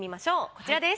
こちらです。